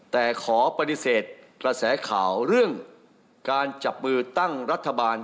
แต่ขอปฏิเสธกระแสข่าวเรื่องการจับมือตั้งรัฐบาล